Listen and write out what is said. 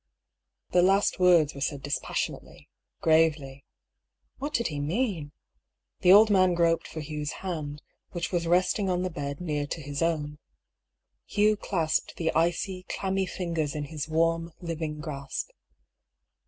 The last words were said dispassionately, gravely. What did he mean ? The old man groped for Hugh's hand, which was resting on the bed near to his own. Hugh clasped the icy, clammy fingers in his warm, liv ing grasp.